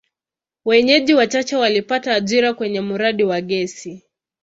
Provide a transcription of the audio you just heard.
Wenyeji wachache walipata ajira kwenye mradi wa gesi.